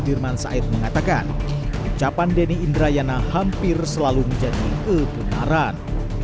dirman said mengatakan ucapan denny indrayana hampir selalu menjadi kebenaran